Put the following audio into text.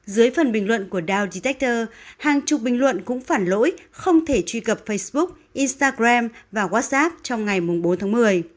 dưới phần bình luận của downd texter hàng chục bình luận cũng phản lỗi không thể truy cập facebook instagram và whatsapp trong ngày bốn tháng một mươi